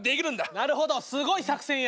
なるほどすごい作戦や。